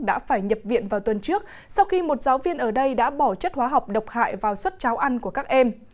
đã phải nhập viện vào tuần trước sau khi một giáo viên ở đây đã bỏ chất hóa học độc hại vào suất cháo ăn của các em